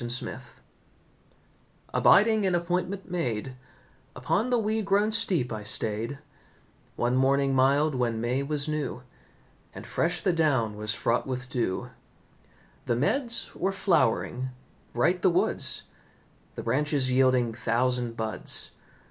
THE CUCKOO Abiding an appointment made, Upon the weed grown steep I stayed, One morning mild when May was new, And fresh the down was fraught with dew. The meads were flowering, bright the woods, The branches yielding thousand buds.